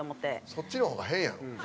そっちの方が変やろ。